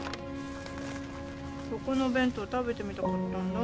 そこの弁当食べてみたかったんだ。